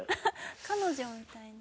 彼女みたいな。